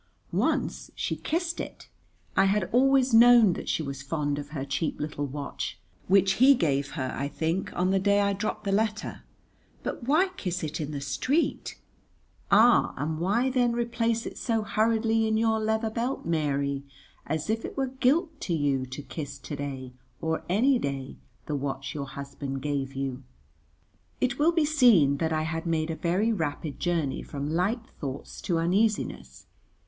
Once she kissed it. I had always known that she was fond of her cheap little watch, which he gave her, I think, on the day I dropped the letter, but why kiss it in the street? Ah, and why then replace it so hurriedly in your leather belt, Mary, as if it were guilt to you to kiss to day, or any day, the watch your husband gave you? It will be seen that I had made a very rapid journey from light thoughts to uneasiness.